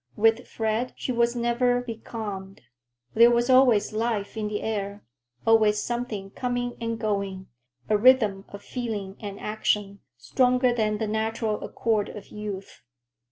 With Fred she was never becalmed. There was always life in the air, always something coming and going, a rhythm of feeling and action,—stronger than the natural accord of youth.